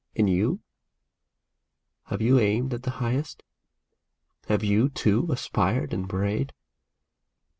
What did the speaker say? And you ? Have you aimed at the highest ? Have you, too, aspired and prayed